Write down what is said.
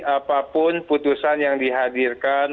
apapun putusan yang dihadirkan